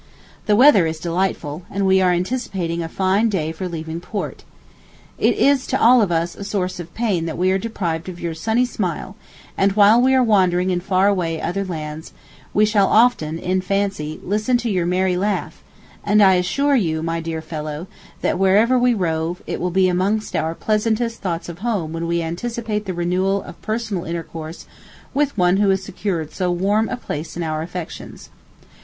The weather is delightful, and we are anticipating a fine day for leaving port. It is to all of us a source of pain that we are deprived of your sunny smile; and while we are wandering far away in other lands, we shall often, in fancy, listen to your merry laugh; and I assure you, my dear fellow, that, wherever we rove, it will be amongst our pleasantest thoughts of home when we anticipate the renewal of personal intercourse with one who has secured so warm a place in our affections.